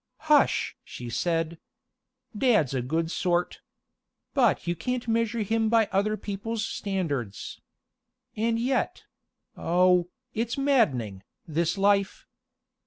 "Hush!" she said. "Dad's a good sort. But you can't measure him by other people's standards. And yet oh, it's maddening, this life!